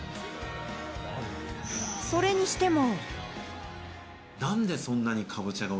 それにしても。